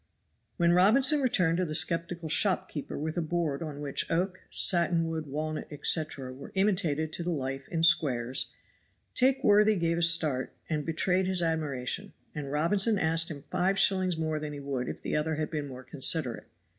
When Robinson returned to the skeptical shopkeeper with a board on which oak, satin wood, walnut, etc., were imitated to the life in squares, that worthy gave a start and betrayed his admiration, and Robinson asked him five shillings more than he would if the other had been more considerate.